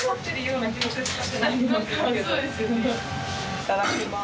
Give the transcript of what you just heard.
いただきます。